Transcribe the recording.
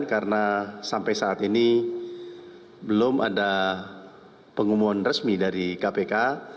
karena sampai saat ini belum ada pengumuman resmi dari kpk